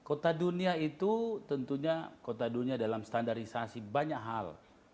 kota dunia itu tentunya kota dunia dalam standarisasi banyak hal